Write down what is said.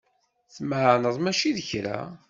Tmeɛneḍ mačči d kra.